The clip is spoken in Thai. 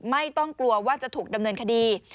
ไม่ต้องกลัวว่าจะถูกดำเนินคดี